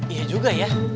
iya juga ya